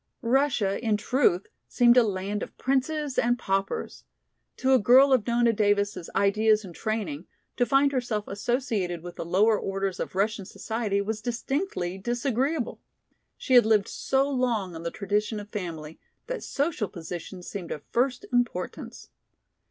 Russia, in truth, seemed a land of princes and paupers! To a girl of Nona Davis' ideas and training, to find herself associated with the lower orders of Russian society was distinctly disagreeable. She had lived so long on the tradition of family that social position seemed of first importance.